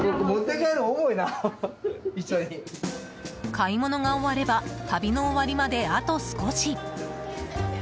買い物が終われば旅の終わりまであと少し。